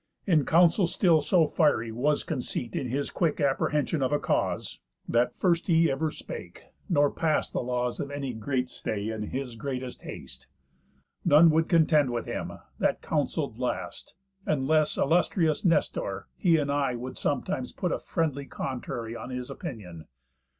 In council still so fiery was Conceit In his quick apprehension of a cause, That first he ever spake, nor pass'd the laws Of any great stay, in his greatest haste. None would contend with him, that counsell'd last, Unless illustrious Nestor, he and I Would sometimes put a friendly contrary On his opinion.